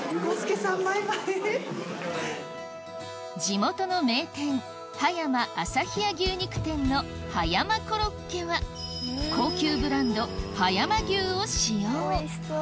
地元の名店の葉山コロッケは高級ブランド葉山牛を使用